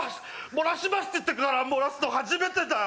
もらしますって言ってからもらすの初めてだよ